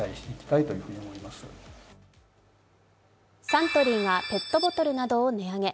サントリーがペットボトルなどを値上げ。